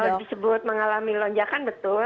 kalau disebut mengalami lonjakan betul